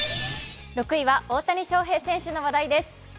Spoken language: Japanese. ６位は大谷翔平選手の話題です。